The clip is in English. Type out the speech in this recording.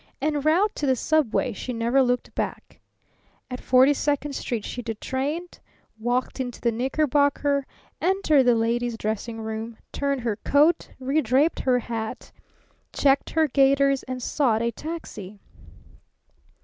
En route to the Subway she never looked back. At Forty second Street she detrained, walked into the Knickerbocker, entered the ladies dressing room, turned her coat, redraped her hat, checked her gaiters, and sought a taxi.